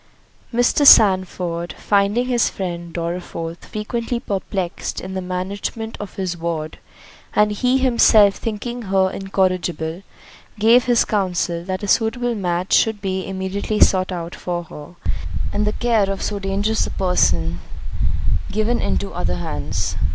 Mr. Sandford finding his friend Dorriforth frequently perplexed in the management of his ward, and he himself thinking her incorrigible, gave his counsel, that a suitable match should be immediately sought out for her, and the care of so dangerous a person given into other hands.